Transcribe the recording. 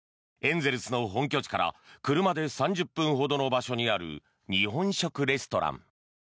エンゼルスの本拠地から車で３０分ほどの場所にある日本食レストラン。